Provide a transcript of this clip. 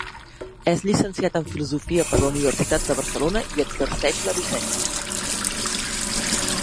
És llicenciat en filosofia per la Universitat de Barcelona i exerceix la docència.